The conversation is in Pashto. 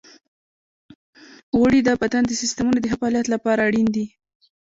غوړې د بدن د سیستمونو د ښه فعالیت لپاره اړینې دي.